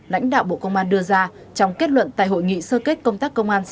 lãnh đạo bộ công an đưa ra trong kết luận tại hội nghị sơ kết công tác công an